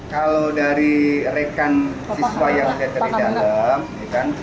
kalau dari rekan siswa yang ada di dalam